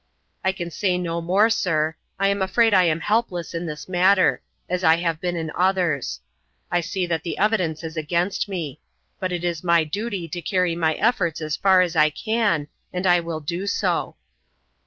"I can say no more, sir. I am afraid I am helpless in this matter as I have been in others. I see that the evidence is against me; but it is my duty to carry my efforts as far as I can, and I will do so."